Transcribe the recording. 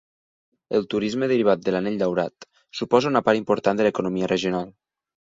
El turisme derivat de l'Anell Daurat suposa una part important de l'economia regional.